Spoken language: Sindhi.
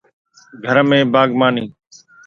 گهر ۾ باغباني